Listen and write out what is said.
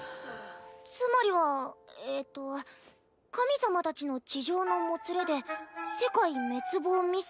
つまりはえっと神様たちの痴情のもつれで世界滅亡未遂？